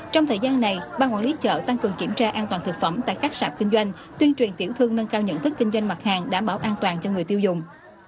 trong thời gian này ban quản lý chợ tăng cường kiểm tra an toàn thực phẩm tại các sạp kinh doanh tuyên truyền tiểu thương nâng cao nhận thức kinh doanh mặt hàng đảm bảo an toàn cho người tiêu dùng